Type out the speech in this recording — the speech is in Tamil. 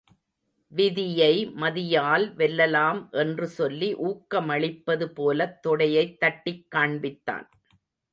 விதியை மதியால் வெல்லலாம் என்று சொல்லி ஊக்கமளிப்பது போலத் தொடையைத் தட்டிக் காண்பித்தான்.